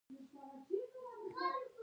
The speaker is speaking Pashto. دا اتل ملا نه و بلکې یو ډاکټر و.